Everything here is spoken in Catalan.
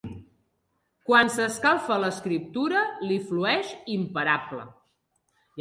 Quan s'escalfa l'escriptura li flueix imparable.